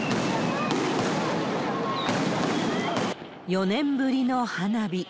４年ぶりの花火。